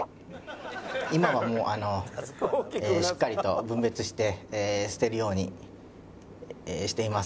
今はもうあのしっかりと分別して捨てるようにしています。